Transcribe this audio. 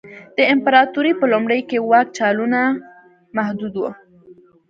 د امپراتورۍ په لومړیو کې واک جالانو محدود و